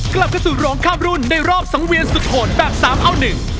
กลับเข้าสู่โรงข้ามรุ่นในรอบสังเวียนสุโขทนแบบสามเอาหนึ่ง